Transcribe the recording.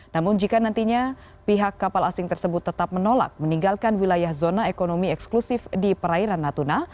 namun jika nantinya pihak kapal asing tersebut tetap menolak meninggalkan wilayah zona ekonomi eksklusif di perairan natuna